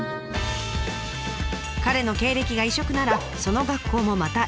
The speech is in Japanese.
彼の経歴が異色ならその学校もまた異色でした。